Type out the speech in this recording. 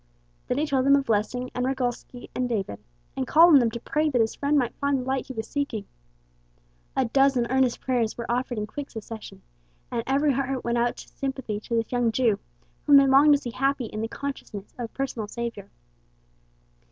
Then he told them of Lessing and Ragolsky and David, and called on them to pray that his friend might find the light he was seeking. A dozen earnest prayers were offered in quick succession, and every heart went out in sympathy to this young Jew, whom they longed to see happy in the consciousness of a personal Savior.